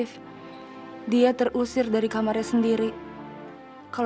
selalu bawa hati engkau